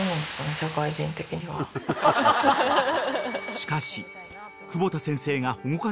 ［しかし］